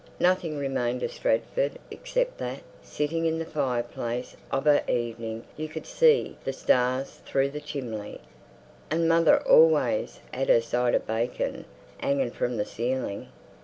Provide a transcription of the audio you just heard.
Nothing remained of Stratford except that "sitting in the fire place of a evening you could see the stars through the chimley," and "Mother always 'ad 'er side of bacon, 'anging from the ceiling."